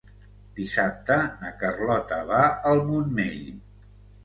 Dissabte na Carlota va al Montmell.